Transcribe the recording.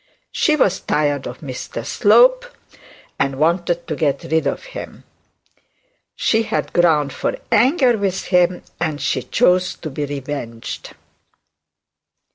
She was tired of Mr Slope and wanted to get rid of him; she had ground for anger with him, and she chose to be revenged.